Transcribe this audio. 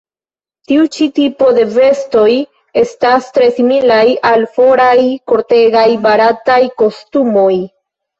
Tiu ĉi tipo de vestoj estas tre similaj al foraj kortegaj barataj kostumoj.